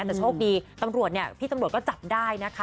แต่โชคดีตำรวจเนี่ยพี่ตำรวจก็จับได้นะคะ